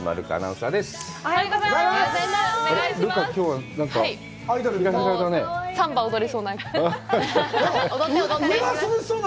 サンバ踊れそうな。